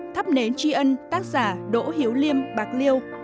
thắp nến tri ân tác giả đỗ hiếu liêm bạc liêu